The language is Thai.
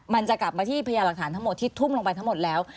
มันจะกลับมาที่พยาหลักฐานทั้งหมดที่ทุ่มลงไปทั้งหมดแล้ว